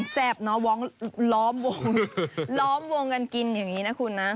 แซ่บเนอะล้อมวงล้อมวงกันกินอย่างนี้นะคุณนะ